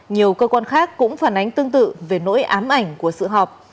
nhiều cơ quan khác cũng phản ánh tương tự về nỗi ám ảnh của sự họp